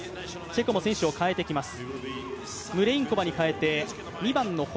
チェコも選手を代えてきます。